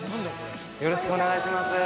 よろしくお願いします。